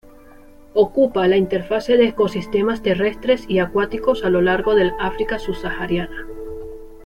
Ocupa la interfase de ecosistemas terrestres y acuáticos a lo largo del África subsahariana.